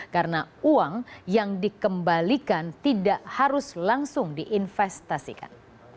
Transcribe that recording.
karena uang yang dikembalikan tidak harus langsung diinvestasikan